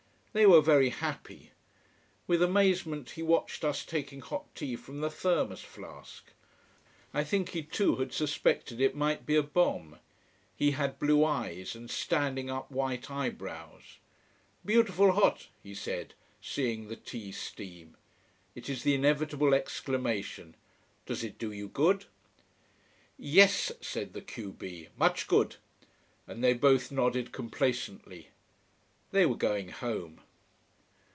They were very happy. With amazement he watched us taking hot tea from the Thermos flask. I think he too had suspected it might be a bomb. He had blue eyes and standing up white eyebrows. "Beautiful hot !" he said, seeing the tea steam. It is the inevitable exclamation. "Does it do you good?" "Yes," said the q b. "Much good." And they both nodded complacently. They were going home.